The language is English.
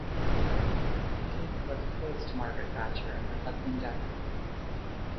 Deedes was close to Margaret Thatcher and her husband Denis.